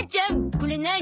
これ何？